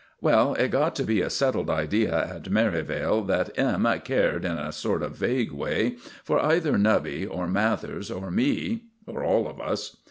Well, it got to be a settled idea at Merivale that M. cared, in a sort of vague way, for either Nubby, or Mathers, or me, or all of us.